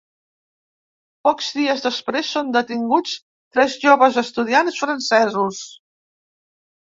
Pocs dies després són detinguts tres joves estudiants francesos.